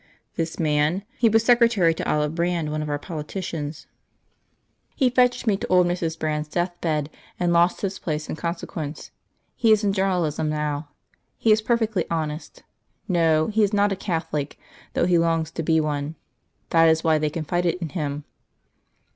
"This man? He was secretary to Oliver Brand, one of our politicians. He fetched me to old Mrs. Brand's death bed, and lost his place in consequence. He is in journalism now. He is perfectly honest. No, he is not a Catholic, though he longs to be one. That is why they confided in him."